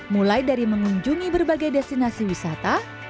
mulai dari mengunjungi berbagai destinasi wisata